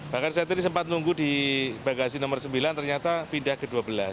bahkan saya tadi sempat nunggu di bagasi nomor sembilan ternyata pindah ke dua belas